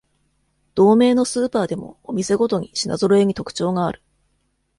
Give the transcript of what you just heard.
同名のスーパーでもお店ごとに品ぞろえに特徴がある